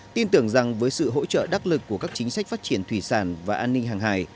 tin tưởng rằng với sự hỗ trợ đắc lực của các chính sách phát triển thủy sản và an ninh hàng hải